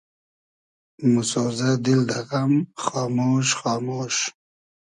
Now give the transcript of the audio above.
موسۉزۂ دیل دۂ غئم خامۉش خامۉش